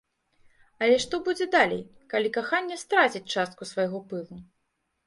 Але што будзе далей, калі каханне страціць частку свайго пылу?